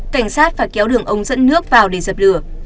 cảnh sát phải kéo đường ống dẫn nước vào để dập lửa